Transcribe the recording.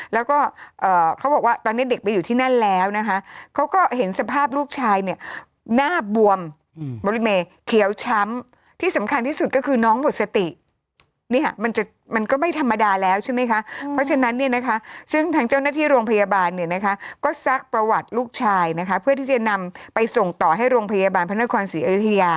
แล้วก็เขาบอกว่าตอนนี้เด็กไปอยู่ที่นั่นแล้วนะคะเขาก็เห็นสภาพลูกชายเนี่ยหน้าบวมรถเมย์เขียวช้ำที่สำคัญที่สุดก็คือน้องหมดสติเนี่ยมันจะมันก็ไม่ธรรมดาแล้วใช่ไหมคะเพราะฉะนั้นเนี่ยนะคะซึ่งทางเจ้าหน้าที่โรงพยาบาลเนี่ยนะคะก็ซักประวัติลูกชายนะคะเพื่อที่จะนำไปส่งต่อให้โรงพยาบาลพระนครศรีอยุธยา